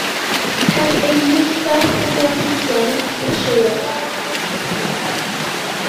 Caiff ei neithdar o blanhigion llysieuog.